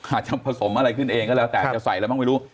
อาจจะผสมอะไรขึ้นเองก็แล้วแต่จะใส่อะไรบ้างไม่รู้